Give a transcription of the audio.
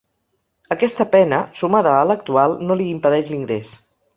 Aquesta pena, sumada a l’actual, no li impedeix l’ingrés.